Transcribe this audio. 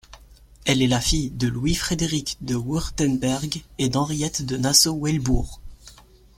Elle est la fille de Louis-Frédéric de Wurtemberg et d'Henriette de Nassau-Weilbourg.